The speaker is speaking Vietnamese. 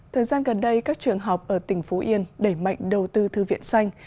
thời gian gần đây các trường học ở tỉnh phú yên đẩy mạnh đầu tư thư viện xanh